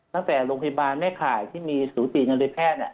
ตั้งแต่โรงพยาบาลแม่ข่ายที่มีสูตินารีแพทย์